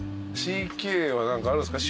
ＣＫは何かあるんすか？